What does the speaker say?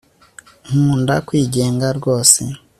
nkunda kwigenga rwose